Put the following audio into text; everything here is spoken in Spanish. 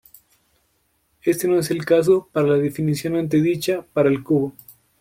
Éste no es el caso para la definición antedicha para el cubo.